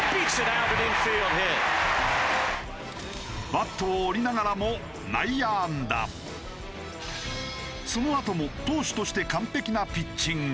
バットを折りながらもそのあとも投手として完璧なピッチング。